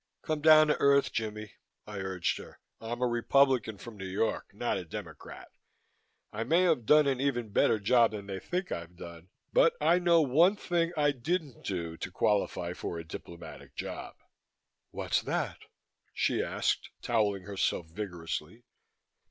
"Come down to earth, Jimmie," I urged her. "I'm a Republican from New York; not a Democrat. I may have done an even better job than they think I've done, but I know one thing I didn't do to qualify for a diplomatic job." "What's that?" she asked, towelling herself vigorously.